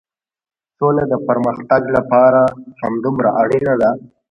سوله د پرمختګ لپاره همدومره اړينه ده.